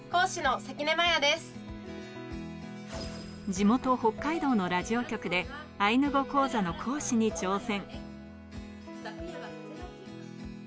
地元・北海道のラジオ局でアイヌ語講座の講師に挑戦。